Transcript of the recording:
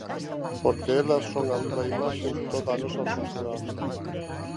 Porque elas son a viva imaxe de toda a nosa sociedade.